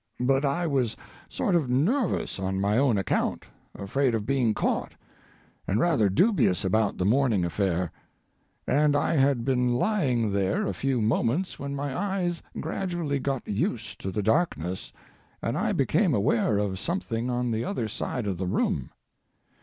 But I was sort of nervous on my own account afraid of being caught, and rather dubious about the morning affair. And I had been lying there a few moments when my eyes gradually got used to the darkness, and I became aware of something on the other side of the room.